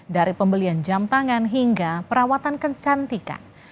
dari pembelian jam tangan hingga perawatan kecantikan